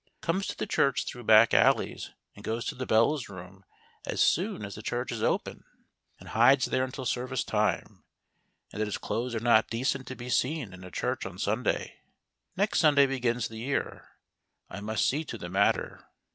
— comes to the church through back alleys, and goes to the bellows room as soon as the church is open and HOW DOT HEARD " THE MESSIAH.' 15 hides there until service time, and that his clothes are not decent to be seen in a church on Sunday. Next Sunday begins the year — I must see to the matter."